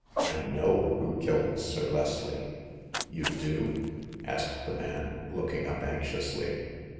I know who killed Sir Leslie." " You do ?" asked the man, looking up anx iously.